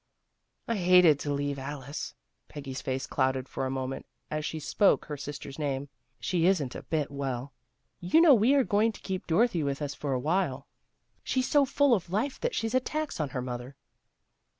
" I hated to leave Alice," Peggy's face clouded for a moment, as she spoke her sister's name. " She isn't a bit well. You know we are going to keep Dorothy with us for a while. 10 THE GIRLS OF FRIENDLY TERRACE She's so full of life that she's a tax on her mother."